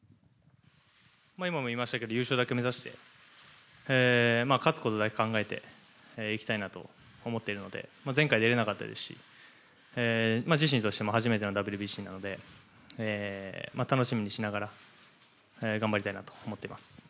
今も言いましたが優勝だけ目指して勝つことだけを考えていきたいなと思っているので前回出れなかったですし自身としても初めてのＷＢＣなので楽しみにしながら頑張りたいなと思っています。